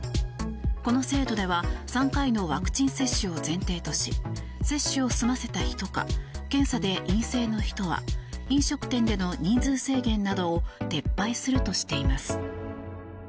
この制度では３回のワクチン接種を前提とし接種を済ませた人か検査で陰性の人は飲食店での人数制限などを撤廃するとしています。